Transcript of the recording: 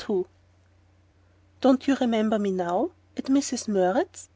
II "Don't you remember me now at Mrs. Murrett's?"